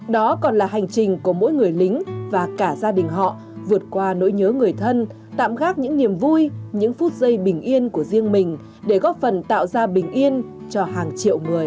đó còn là hành trình của mỗi người lính và cả gia đình họ vượt qua nỗi nhớ người thân tạm gác những niềm vui những phút giây bình yên của riêng mình để góp phần tạo ra bình yên cho hàng triệu người